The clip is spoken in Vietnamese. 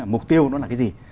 mục tiêu nó là cái gì